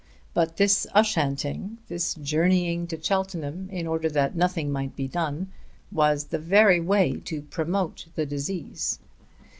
But this "Ushanting," this journeying to Cheltenham in order that nothing might be done, was the very way to promote the disease!